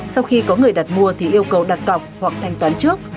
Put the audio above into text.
sau khi có người đặt mua thì yêu cầu đặt cọc hoặc thanh toán trước